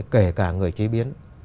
kể cả người chế biến